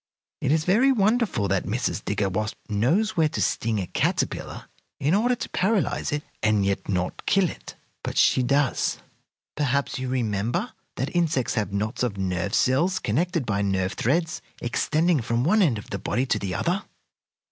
It is very wonderful that Mrs. Digger Wasp knows where to sting a caterpillar in order to paralyze it and yet not kill it. But she does. Perhaps you remember that insects have knots of nerve cells, connected by nerve threads, extending from one end of the body to the other?